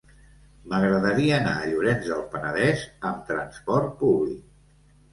M'agradaria anar a Llorenç del Penedès amb trasport públic.